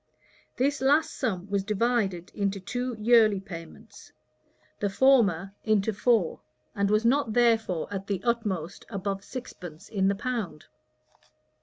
This last sum was divided into two yearly payments; the former into four, and was not therefore at the utmost above sixpence in the pound.